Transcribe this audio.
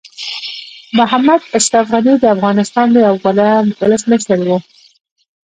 محمد اشرف غني د افغانستان یو غوره ولسمشر وو.